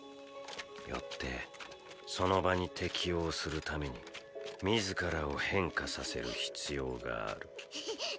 よってその場に適応するために自らを変化させる必要がある。